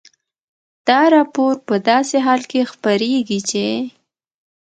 دا راپور په داسې حال کې خپرېږي چې